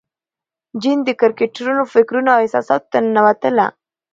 جین د کرکټرونو فکرونو او احساساتو ته ننوتله.